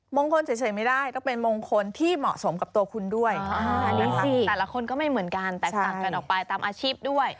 มงคลเฉยไม่ได้ต้องเป็นมงคลที่เหมาะสมกับตัวคุณด้วย